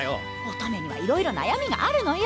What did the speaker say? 乙女にはいろいろ悩みがあるのよ。